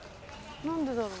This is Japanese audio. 何でだろう。